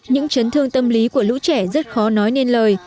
những chấn thương tâm lý của lũ trẻ rất khó nói nên lời